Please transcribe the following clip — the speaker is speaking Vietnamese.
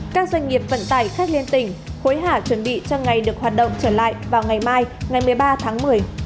các doanh nghiệp vận tải khách liên tỉnh hối hả chuẩn bị cho ngày được hoạt động trở lại vào ngày mai ngày một mươi ba tháng một mươi